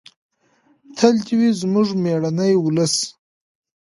تل دې وي زموږ مېړنی ولس.